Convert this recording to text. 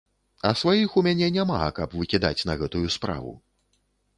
А сваіх у мяне няма, каб выкідаць на гэтую справу.